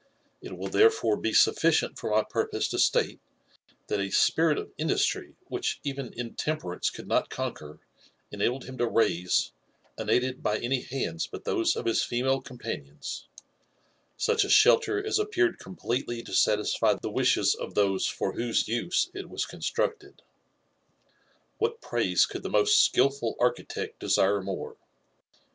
It wiU therefore be sufficient for my purpose to slate, that a spirit of industry which even intempe rance could not conquer, enabled him to raise, unaided by any hands but those of his female companions, such a shelter as appeared com pletely to satisfy the wishes of those for whose use it was constructed. What praise could the most skilful architect desire more?